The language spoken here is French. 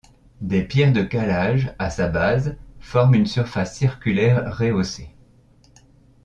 Des pierres de calage, à sa base, forment une surface circulaire rehaussée.